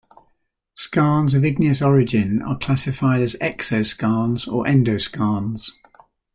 Skarns of igneous origin are classified as "exoskarns" or "endoskarns".